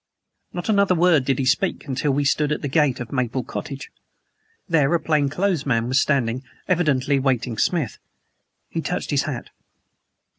Not another word did he speak, until we stood at the gate of Maple Cottage. There a plain clothes man was standing, evidently awaiting Smith. He touched his hat.